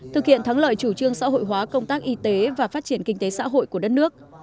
thực hiện thắng lợi chủ trương xã hội hóa công tác y tế và phát triển kinh tế xã hội của đất nước